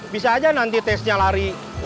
bisa aja nanti tesnya lari